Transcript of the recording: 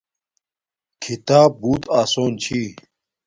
کھیتاپ بوت آسون چھی